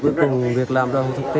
cuối cùng việc làm đâu không thích tế